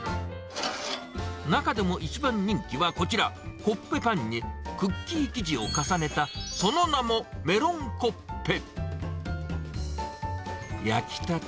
中でも一番人気はこちら、コッペパンにクッキー生地を重ねた、その名もメロンコッペ。